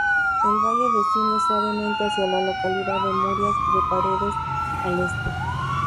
El valle desciende suavemente hacia la localidad de Murias de Paredes, al este.